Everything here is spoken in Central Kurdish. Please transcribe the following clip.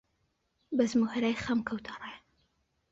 بەزم و هەرای خەم کەوتە ڕێ